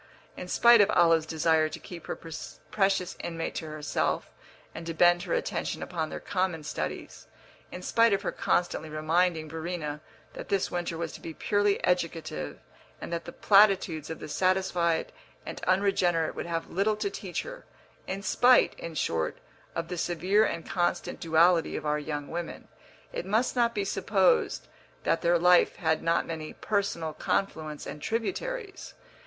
In spite of Olive's desire to keep her precious inmate to herself and to bend her attention upon their common studies, in spite of her constantly reminding Verena that this winter was to be purely educative and that the platitudes of the satisfied and unregenerate would have little to teach her, in spite, in short, of the severe and constant duality of our young women, it must not be supposed that their life had not many personal confluents and tributaries.